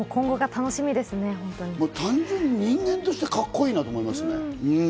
単純に人間としてカッコいいなと思いますね。